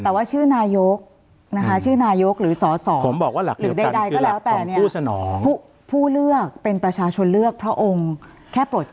แต่ว่าชื่อนายกหรือสอสรหรือใดไดกก็แล้วแต่แต่ผู้เลือกเป็นประชาชนเลือกพระองค์